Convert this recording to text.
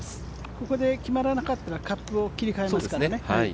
ここで決まらなかったらカップを切り替えますからね。